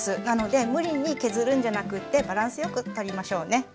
なので無理に削るんじゃなくってバランスよくとりましょうね。